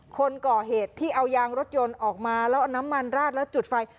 คนก่อเหตุที่เอายางรถยนต์ออกมาแล้วเอาน้ำมันราดแล้วจุดไฟ